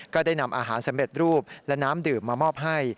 ได้นำอาหารสำเร็จรูปและน้ำดื่มมามอบให้